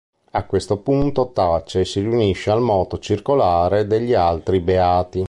A questo punto tace e si riunisce al moto circolare degli altri beati.